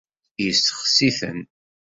Yessexsi-ten.